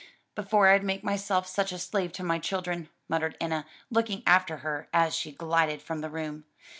"Before I'd make myself such a slave to my children!" muttered Enna, looking after her as she glided from the room.